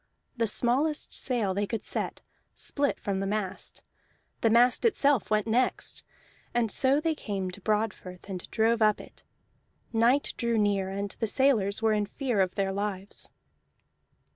The smallest sail they could set split from the mast, the mast itself went next, and so they came to Broadfirth and drove up it. Night drew near, and the sailors were in fear of their lives.